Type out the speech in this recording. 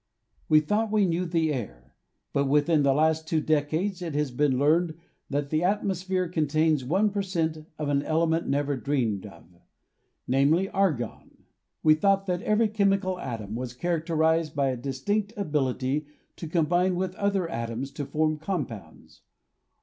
We thought we knew the air, but within the last two decades it has been learned that the atmosphere contains i per cent, of an element never dreamed of — namely, argon. We thought every chemical atom was characterized by a distinct ability to combine with other atoms to form com pounds.